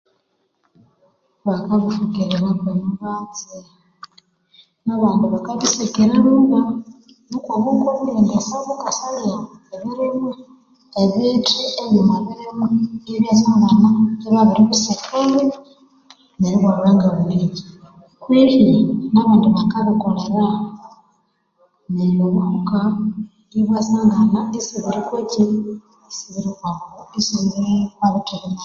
Bakafukirira okomubatsi nabandi bakabisekera lhuba noko obuhuka obundi obukasalya okobithi ibwasangana ibyabirithemwa